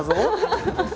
ハハハハ！